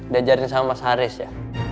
diajarin sama mas haris ya